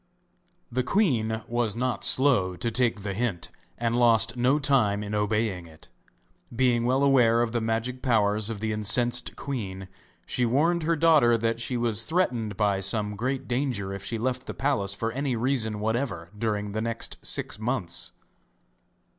The queen was not slow to take the hint, and lost no time in obeying it. Being well aware of the magic powers of the incensed queen, she warned her daughter that she was threatened by some great danger if she left the palace for any reason whatever during the next six months.